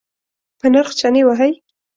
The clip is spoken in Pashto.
په نرخ چنی وهئ؟